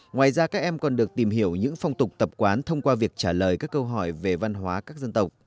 ngoài ra các em còn được tìm hiểu những phong tục tập quán thông qua việc trả lời các câu hỏi về văn hóa các dân tộc